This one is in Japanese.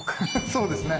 そうですね